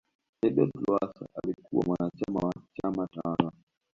edward Lowasa alikuwa mwanachama wa chama tawala